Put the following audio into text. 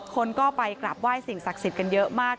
คนก็ไปกลับไหว้สิ่งศักดิ์สิทธิ์กันเยอะมาก